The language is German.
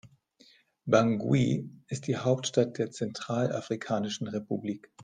Bangui ist die Hauptstadt der Zentralafrikanischen Republik.